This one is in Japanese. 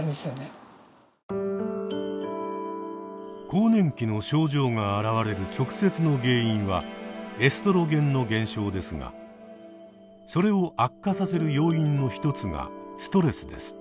更年期の症状があらわれる直接の原因はエストロゲンの減少ですがそれを悪化させる要因の一つがストレスです。